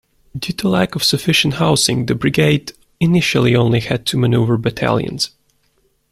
Due to lack of sufficient housing, the brigade initially only had two maneuver battalions.